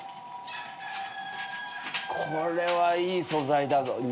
これはいい素材だぞ。